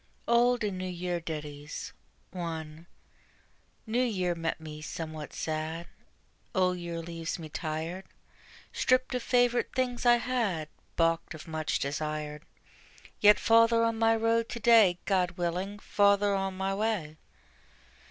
OLD AND NEW YEAR DITTIES. 1. New Year met me somewhat sad: Old Year leaves me tired, Stripped of favorite things I had, Balked of much desired: Yet farther on my road to day, God willing, farther on my way.